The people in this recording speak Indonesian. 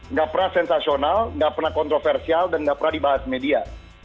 nggak pernah sensasional nggak pernah kontroversial dan nggak pernah dibahas media